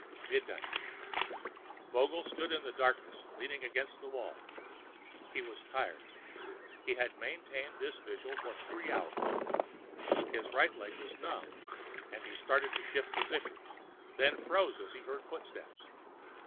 Midnight. Vogel stood in darkness, leaning against the wall. He was tired. He had maintained this vigil for three hours. His right leg was numb and he started to shift position, then froze as he heard footsteps.